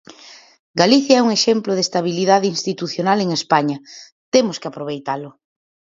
Galicia é un exemplo de estabilidade institucional en España; temos que aproveitalo.